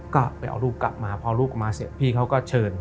ก็ไปเอาลูกกลับมาพอลูกกลับมาเสร็จพี่เขาก็เชิญ